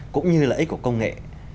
cũng như lợi ích của công nghệ